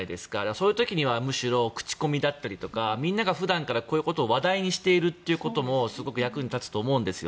そういう時にはむしろ口コミだったりみんなが普段からこういうことを話題にしているということもすごく役に立つと思うんです。